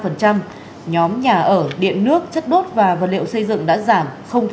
nhóm nhà ở điện nước chất đốt và vật liệu xây dựng đã giảm năm